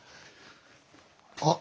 あっ。